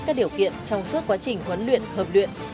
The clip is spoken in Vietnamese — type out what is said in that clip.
các điều kiện trong suốt quá trình huấn luyện hợp luyện